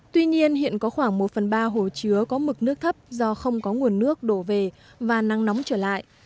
tuy nhiên hiện có khoảng một phần ba hồ chứa có mực nước thấp do không có nguồn nước đổ về và nắng nóng trở lại